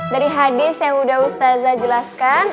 dari hadis yang udah ustadzah jelaskan